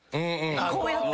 こうやって。